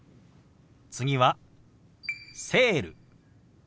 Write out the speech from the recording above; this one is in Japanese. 次は「セール」。